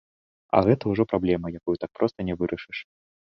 А гэта ўжо праблема, якую так проста не вырашыш.